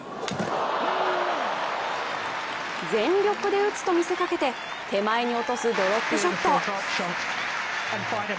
全力で打つと見せかけて、手前に落とすドロップショット。